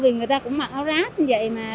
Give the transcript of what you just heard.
vì người ta cũng mặc áo ráp như vậy mà